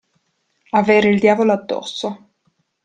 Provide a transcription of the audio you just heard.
Avere il diavolo addosso.